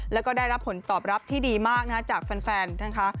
แล้วก็ได้รับผลตอบรับที่ดีมากนะคะจากแฟนนะคะ